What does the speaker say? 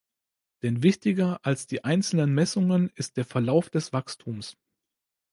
Denn wichtiger als die einzelnen Messungen ist der Verlauf des Wachstums.